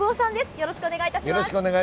よろしくお願いします。